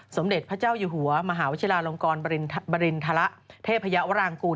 สมเด็จพระเจ้าอยู่หัวมหาวชิลาลงกรบริณฑระเทพยาวรางกูล